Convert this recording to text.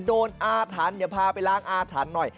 โดนอาถรรพ์พาไปล้างอาถรรพ์หน่อย